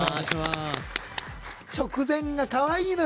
直前が、かわいいのよ。